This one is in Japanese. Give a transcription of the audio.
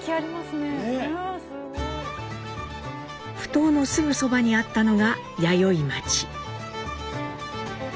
埠頭のすぐそばにあったのが弥生町。